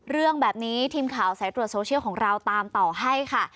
เรื่องแบบนี้ทีมข่าวสายตรวจโซเชียลของเราตามต่อให้ค่ะ